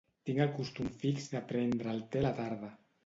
Tinc el costum fix de prendre el te a la tarda.